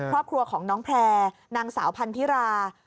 ครอบครัวของน้องแพร่นางสาวพันธิรา